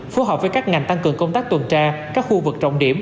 phù hợp với các ngành tăng cường công tác tuần tra các khu vực trọng điểm